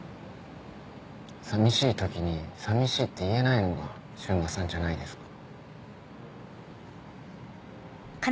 寂しいときに寂しいって言えないのが柊磨さんじゃないですか。